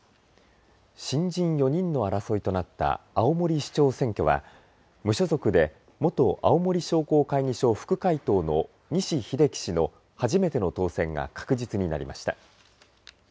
新人４人の争いとなった青森市長選挙は無所属で元青森商工会議所副会頭の西秀記氏の初めての当選が確実になりました。